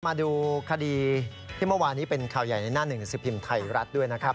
มาดูคดีที่เมื่อวานนี้เป็นข่าวใหญ่ในหน้าหนึ่งสิบพิมพ์ไทยรัฐด้วยนะครับ